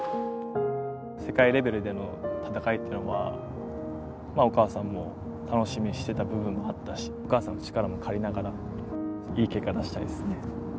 世界レベルでの戦いっていうのは、お母さんも楽しみにしてた部分もあったし、お母さんの力も借りながら、いい結果出したいですね。